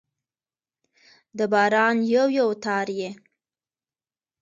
د باران یو، یو تار يې